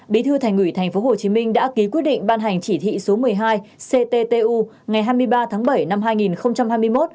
bí thư thành ủy tp hcm đã ký quyết định ban hành chỉ thị số một mươi hai cttu ngày hai mươi ba tháng bảy năm hai nghìn hai mươi một